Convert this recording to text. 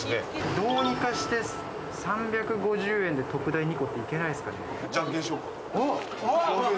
どうにかして３５０円で特大２個っていけないですかね？